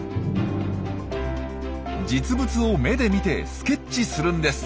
実物を目で見てスケッチするんです。